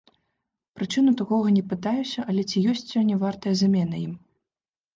Прычыну такога не пытаюся, але ці ёсць сёння вартая замена ім?